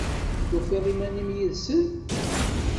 Tufiḍ iman-im yid-sent?